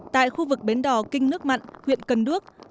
tại khu vực bến đỏ kinh nước mặn huyện cần đước